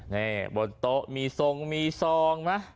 นี่บนโต๊ะมีทรงมีทรงมา